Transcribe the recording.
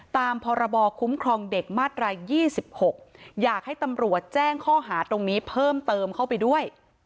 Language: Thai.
ตามพรบคุ้มครองเด็กมาตราย๒๖อยากให้ตำรวจแจ้งข้อหาตรงนี้เพิ่มเติมเข้าไปด้วย